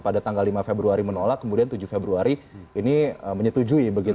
pada tanggal lima februari menolak kemudian tujuh februari ini menyetujui